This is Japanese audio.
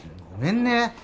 ごめんね。